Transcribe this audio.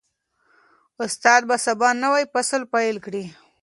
استاد به سبا نوی فصل پیل کړي.